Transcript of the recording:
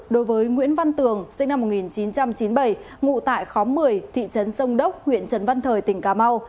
đối với nguyễn văn tường sinh năm một nghìn chín trăm chín mươi bảy ngụ tại khóm một mươi thị trấn sông đốc huyện trần văn thời tỉnh cà mau